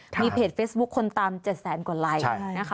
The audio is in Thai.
มีเพจเฟซบุ๊คคนตาม๗แสนกว่าไลค์นะคะ